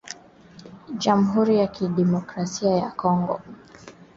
Jamhuri ya kidemocrasia ya kongo iko munene kwa France mara mbili na nusu